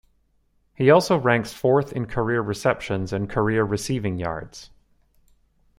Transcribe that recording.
He also ranks fourth in career receptions and career receiving yards.